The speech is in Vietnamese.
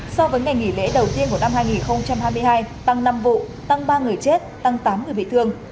so với ngày nghỉ lễ đầu tiên của năm hai nghìn hai mươi hai tăng năm vụ tăng ba người chết tăng tám người bị thương